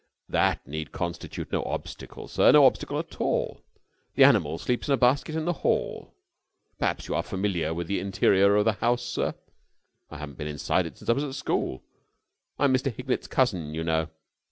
"That need constitute no obstacle, sir; no obstacle at all. The animal sleeps in a basket in the hall.... Perhaps you are familiar with the interior of the house, sir?" "I haven't been inside it since I was at school. I'm Mr. Hignett's cousin, you know."